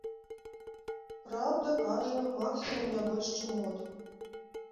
Праўда, кажа, максімум не больш чым год.